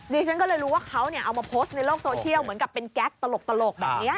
ดิฉันก็เลยรู้ว่าเขาเอามาโพสต์ในโลกโซเชียลเหมือนกับเป็นแก๊สตลกแบบนี้